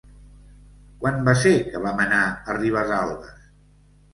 Quan va ser que vam anar a Ribesalbes?